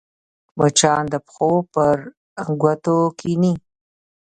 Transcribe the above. مچان د پښو پر ګوتو کښېني